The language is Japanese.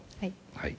はい。